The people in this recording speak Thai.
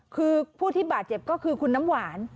คือผู้ที่บาดเจ็บก็คือคุณน้ำหวาน